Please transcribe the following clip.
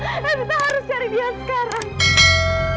epika harus cari dia sekarang